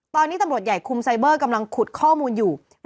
ตอนนี้ตำรวจใหญ่คุมไซเบอร์กำลังขุดข้อมูลอยู่